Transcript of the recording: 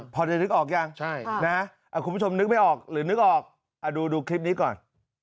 พอจะนึกออกยังคุณผู้ชมนึกไม่ออกหรือนึกออกดูคลิปนี้ก่อน